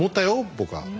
僕は。